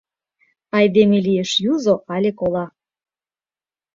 Айдеме лиеш юзо але кола.